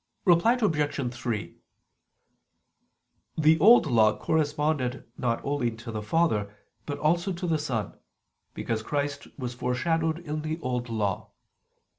Reply Obj. 3: The Old Law corresponded not only to the Father, but also to the Son: because Christ was foreshadowed in the Old Law.